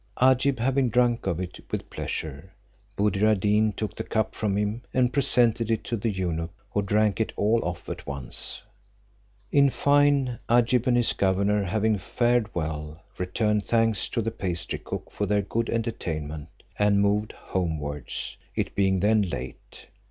Agib having drunk of it with pleasure, Buddir ad Deen took the cup from him, and presented it to the eunuch, who drank it all off at once. In fine, Agib and his governor having fared well, returned thanks to the pastry cook for their good entertainment, and moved homewards, it being then late.